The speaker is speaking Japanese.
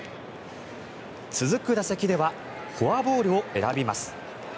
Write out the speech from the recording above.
続く打席ではフォアボールを選びます。